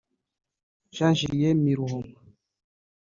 Jean-Julien Miruho